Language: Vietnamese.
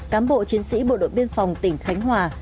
cám bộ chiến sĩ bộ đội biên phòng tỉnh khánh hòa